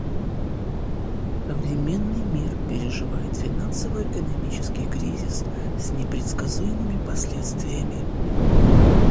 Современный мир переживает финансово-экономический кризис с непредсказуемыми последствиями.